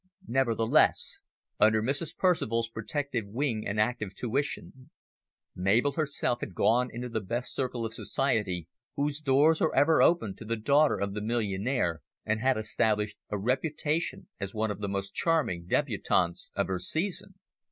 Nevertheless, under Mrs. Percival's protective wing and active tuition, Mabel herself had gone into the best circle of society whose doors are ever open to the daughter of the millionaire, and had established a reputation as one of the most charming debutantes of her season.